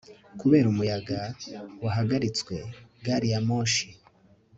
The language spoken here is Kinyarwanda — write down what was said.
Kubera umuyaga wahagaritswe gari ya moshi